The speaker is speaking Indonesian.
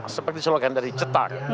seperti slogan dari cetak